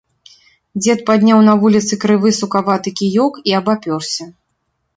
Дзед падняў на вуліцы крывы сукаваты кіёк і абапёрся.